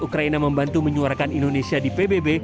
ukraina membantu menyuarakan indonesia di pbb